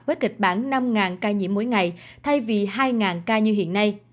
với kịch bản năm ca nhiễm mỗi ngày thay vì hai ca như hiện nay